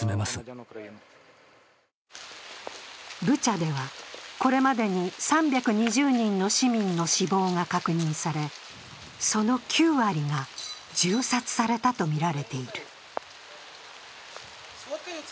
ブチャでは、これまでに３２０人の市民の死亡が確認され、その９割が銃殺されたとみられている。